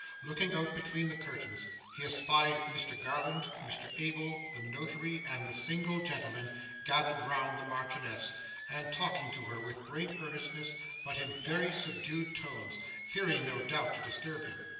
Looking out between the curtains, he espied Mr Garland, Mr Abel, the notary, and the single gentleman, gathered round the Marchioness, and talking to her with great earnestness but in very subdued tones fearing, no doubt, to disturb him.